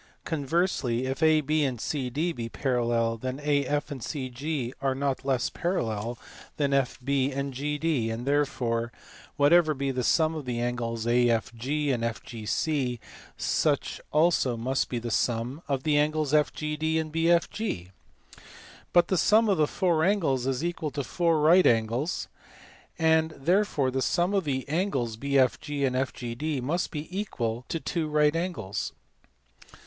Conversely, if AB and CD be parallel, then AF and CG are not less parallel than FB and 72 100 THE SECOND ALEXANDRIAN SCHOOL. GD j and therefore whatever be the sum of the angles AFG and FGC such also must be the sum of the angles FGD and BFG. But the sum of the four angles is equal to four right angles, and therefore the sum of the angles BFG and FGD must be equal to two right angles.